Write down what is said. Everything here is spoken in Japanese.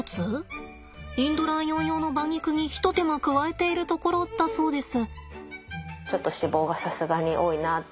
インドライオン用の馬肉に一手間加えているところだそうです。